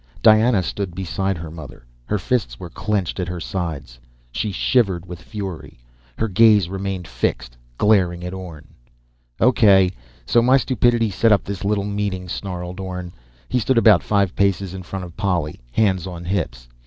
Diana stood beside her mother. Her fists were clenched at her sides. She shivered with fury. Her gaze remained fixed, glaring at Orne. "O.K., so my stupidity set up this little meeting," snarled Orne. He stood about five paces in front of Polly, hands on hips.